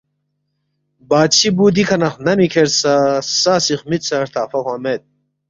بادشی بُو دِکھہ نہ خنمی کھیرسا سا سی خمِدسا ہرتخفا کھوانگ مید